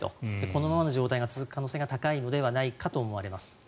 このままの状態が続く可能性が高いのではないかと思われます。